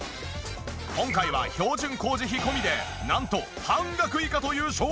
今回は標準工事費込みでなんと半額以下という衝撃価格！